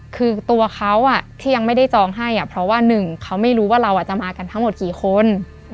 คือตัวเขาที่ยังไม่ได้จองให้เพราะว่าหนึ่งเขาไม่รู้ว่าเราจะมากันทั้งหมดกี่คน